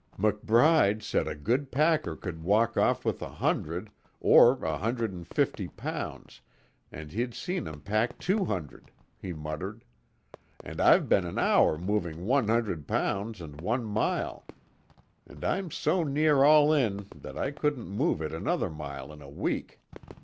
"McBride said a good packer could walk off with a hundred, or a hundred and fifty pounds, and he'd seen 'em pack two hundred," he muttered. "And I've been an hour moving one hundred pounds one mile! And I'm so near all in that I couldn't move it another mile in a week.